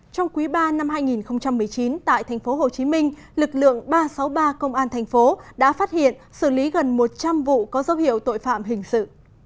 trong quý ba năm hai nghìn một mươi chín tại tp hcm lực lượng ba trăm sáu mươi ba công an thành phố đã phát hiện xử lý gần một trăm linh vụ có dấu hiệu tội phạm hình sự